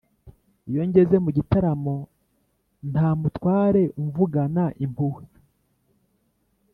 Iyo ngeze mu gitaramo nta mutware umvugana impuhwe,